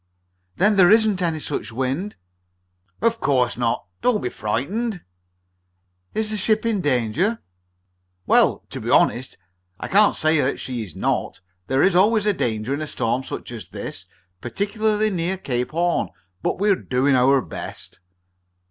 "Then there isn't any such wind?" "Of course not. Don't be frightened." "Is the ship in any danger?" "Well, to be honest, I can't say that she is not. There is always danger in a storm such as this is, particularly near Cape Horn. But we're doing our best."